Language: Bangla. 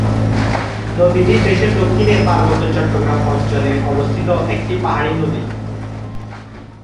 নদীটি দেশের দক্ষিণে পার্বত্য চট্টগ্রাম অঞ্চলে অবস্থিত একটি পাহাড়ি নদী।